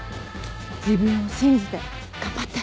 自分を信じて頑張って！